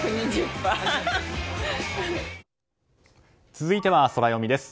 続いてはソラよみです。